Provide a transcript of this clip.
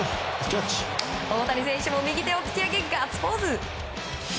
大谷選手も右手を突き上げガッツポーズ！